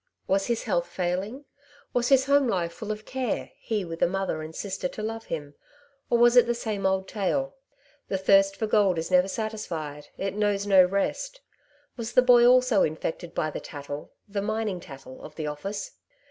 Was his health failing ? was his home life full of care, he with a mother and sister to love him ? or was it the same old tale. The thirst for gold is never satisfied, it knows no rest ; was the boy also infected by the tattle, the ^' mining tattle," of the office